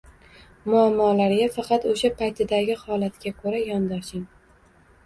Muammolarga faqat o‘sha paytdagi holatga ko‘ra yondoshing.